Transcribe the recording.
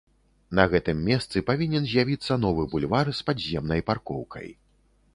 На гэтым месцы павінен з'явіцца новы бульвар з падземнай паркоўкай.